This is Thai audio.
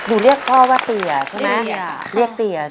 อืม